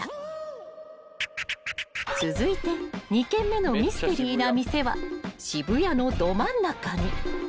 ［続いて２軒目のミステリーな店は渋谷のど真ん中に］